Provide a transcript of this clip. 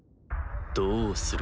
どうする？